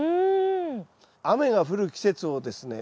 雨が降る季節をですね